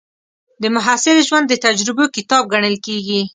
د محصل ژوند د تجربو کتاب ګڼل کېږي.